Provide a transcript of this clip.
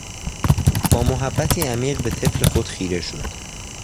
با محبتی عمیق به طفل خود خیره شد.